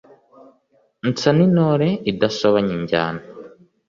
nsa n ' intore idasobanya injyana